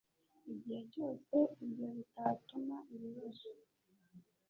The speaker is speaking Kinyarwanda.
igihe cyose ibyo bitatuma ibibazo